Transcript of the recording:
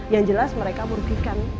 yang jelas mereka merugikan